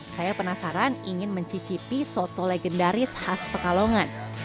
saya penasaran ingin mencicipi soto legendaris khas pekalongan